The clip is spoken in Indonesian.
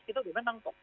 kita sudah menang kok